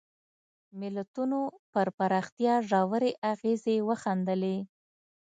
ملتونو پر پراختیا ژورې اغېزې وښندلې.